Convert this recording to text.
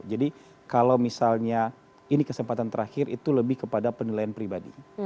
jadi kalau misalnya ini kesempatan terakhir itu lebih kepada penilaian pribadi